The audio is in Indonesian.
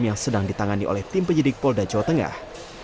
yang sedang ditangani oleh tim penyidik polda jawa tengah